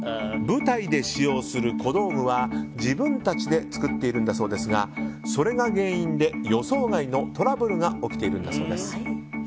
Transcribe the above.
舞台で使用する小道具は自分たちで作っているんだそうですがそれが原因で予想外のトラブルが起きているんだそうです。